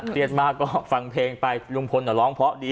เครียดมากก็ฟังเพลงไปลุงพลหรอร้องเพราะดี